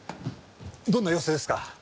どんな様子ですか？